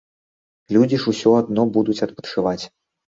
Людзі ж усё адно будуць адпачываць.